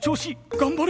頑張れ！